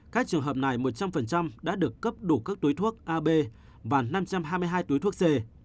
các trường hợp này một trăm linh đã được cấp đủ các túi thuốc ab và năm trăm hai mươi hai túi thuốc c